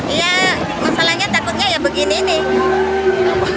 iya masalahnya takutnya ya begini nih